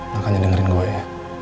makanya dengerin gue ya